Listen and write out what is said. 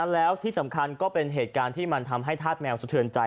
แล้วที่สำคัญก็เป็นเหตุการณ์ที่มันทำให้ธาตุแมวสะเทือนใจ